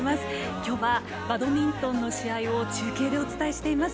きょうは、バドミントンの試合を中継でお伝えしています。